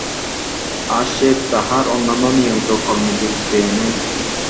আজ সে তাহার অন্যান্য নিয়মিত কর্মে যোগ দেয় নাই।